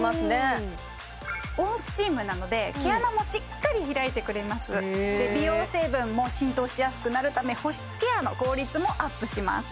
うん温スチームなので毛穴もしっかり開いてくれますで美容成分も浸透しやすくなるため保湿ケアの効率もアップします